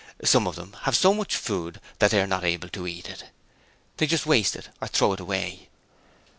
Some of them have so much food that they are not able to eat it. They just waste it or throw it away.'